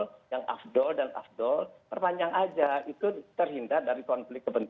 perpanjang aja itu terhindar dari konflik kepentingan